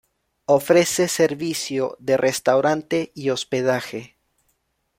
Ofrece servicio de restaurante y hospedaje.